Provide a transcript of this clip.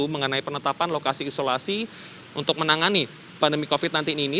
mengenai penetapan lokasi isolasi untuk menangani pandemi covid sembilan belas ini